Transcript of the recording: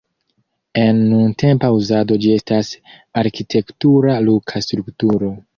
En nuntempa uzado ĝi estas arkitektura luka strukturo.